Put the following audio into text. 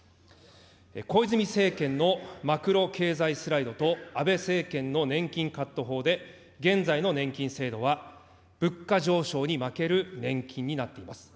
小泉政権のマクロ経済スライドと、安倍政権の年金カット法で、現在の年金制度は物価上昇に負ける年金になっています。